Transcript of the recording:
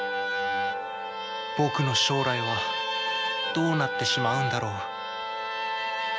僕の将来はどうなってしまうんだろう？